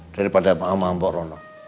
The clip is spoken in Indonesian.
daripada sama mbak rono